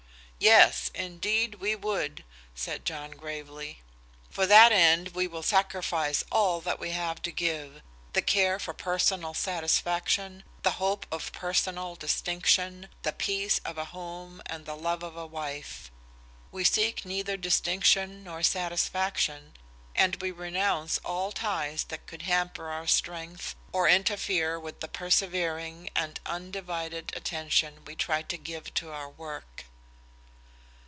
"Yes, indeed we would," said John, gravely. "For that end we will sacrifice all that we have to give the care for personal satisfaction, the hope of personal distinction, the peace of a home and the love of a wife. We seek neither distinction nor satisfaction, and we renounce all ties that could hamper our strength or interfere with the persevering and undivided attention we try to give to our work."